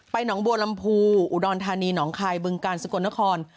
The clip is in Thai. หนองบัวลำพูอุดรธานีหนองคายบึงกาลสกลนคร